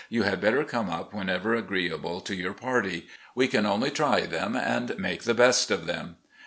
You had better come up whenever agree able to your party ... we can only try them and make the best of them.